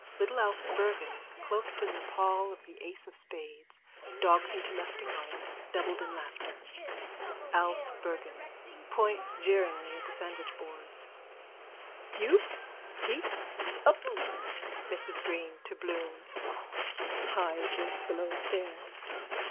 Little Alf Bergan, cloaked in the pall of the ace of spades, dogs him to left and right, doubled in laughter.)_ ALF BERGAN: (Points jeering at the sandwichboards.) U. p: up. MRS BREEN: (To Bloom.) High jinks below stairs.